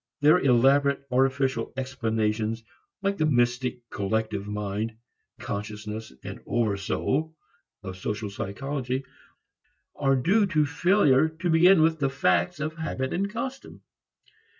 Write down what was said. Their elaborate artificial explanations, like the mystic collective mind, consciousness, over soul, of social psychology, are due to failure to begin with the facts of habit and custom.